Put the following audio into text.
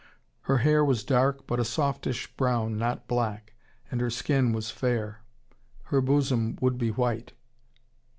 Her hair was dark, but a softish brown, not black, and her skin was fair. Her bosom would be white.